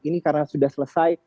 ini karena sudah selesai